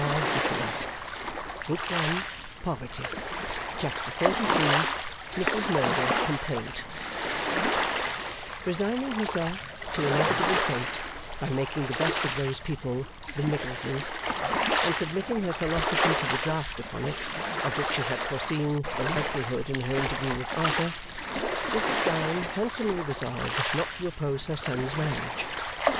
That man's your Father of the Marshalsea!' CHAPTER 33. Mrs Merdle's Complaint Resigning herself to inevitable fate by making the best of those people, the Miggleses, and submitting her philosophy to the draught upon it, of which she had foreseen the likelihood in her interview with Arthur, Mrs Gowan handsomely resolved not to oppose her son's marriage.